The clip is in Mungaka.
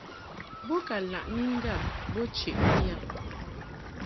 Bo ka laʼni ŋgâ bo cheʼni yab.